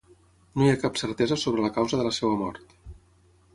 No hi ha cap certesa sobre la causa de la seva mort.